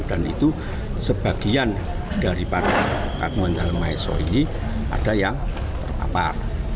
dan itu sebagian dari para agungan yang maesoh ini ada yang terpapar